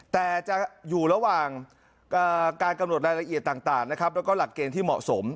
แต่จะอยู่ระหว่างการกำหนดรายละเอียดต่างนะครับแล้วก็หลักเกณฑ์ที่เหมาะสม